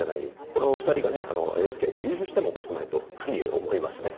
このお二人がねＮＨＫ杯で優勝してもおかしくないというふうに思いますね。